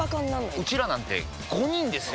ウチらなんて５人ですよ！